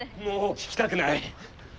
もう聞きたくない。